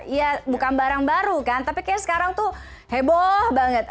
ya bukan barang baru kan tapi kayaknya sekarang tuh heboh banget